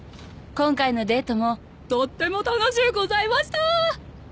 「今回のデートもとっても楽しゅうございました！」